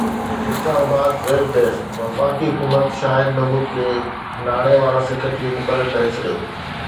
اسلام آباد (ويب ڊيسڪ) وفاقي حڪومت شاهد محمود کي ناڻي وارو سيڪريٽري مقرر ڪري ڇڏيو